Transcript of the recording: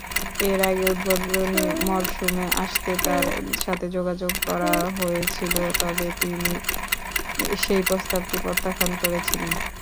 এর আগে উদ্বোধনী মরসুমে আসতে তার সাথে যোগাযোগ করা হয়েছিল, তবে তিনি সেই প্রস্তাবটি প্রত্যাখ্যান করেছিলেন।